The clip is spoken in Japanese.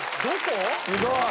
すごい！